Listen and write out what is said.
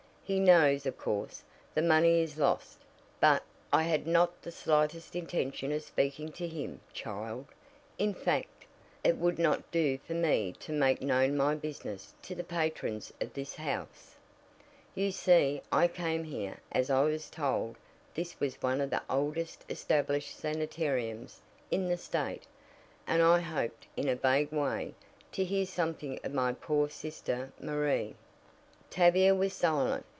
"He knows, of course, the money is lost, but " "I had not the slightest intention of speaking to him, child. In fact, it would not do for me to make known my business to the patrons of this house. You see, I came here, as I was told this was one of the oldest established sanitariums in the State, and I hoped, in a vague way, to hear something of my poor sister Marie." Tavia was silent.